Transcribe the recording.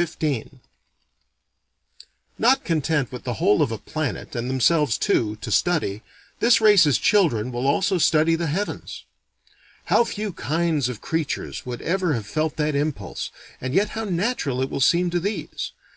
XV Not content with the whole of a planet and themselves too, to study, this race's children will also study the heavens. How few kinds of creatures would ever have felt that impulse, and yet how natural it will seem to these!